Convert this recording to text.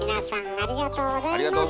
ありがとうございます！